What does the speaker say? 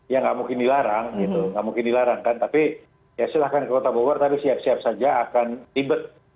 ya nggak mungkin dilarang gitu nggak mungkin dilarang kan tapi ya silahkan ke kota bogor tapi siap siap saja akan ribet